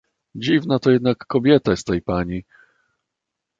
"Dziwna to jednak kobieta z tej pani!..."